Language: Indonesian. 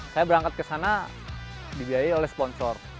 saya berangkat ke sana dibiayai oleh sponsor